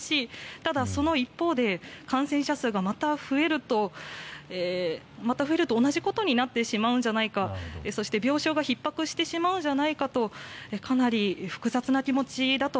ただ、その一方で感染者数がまた増えると同じことになってしまうんじゃないかそして病床がひっ迫してしまうんじゃないかとかなり複雑な気持ちだと